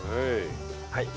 はい。